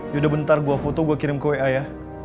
yaudah bentar gue foto gue kirim ke wa ya